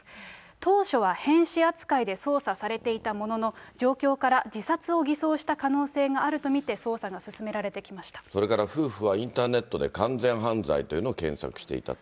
当初は変死扱いで捜査されていたものの、状況から自殺を偽装した可能性があると見て、捜査が進められてきそれから夫婦はインターネットで、完全犯罪というのを検索していたと。